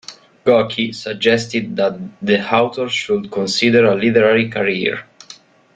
Gorky suggested that the author should consider a literary career.